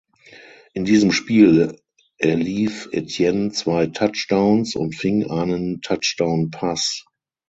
In diesem Spiel erlief Etienne zwei Touchdowns und fing einen Touchdownpass.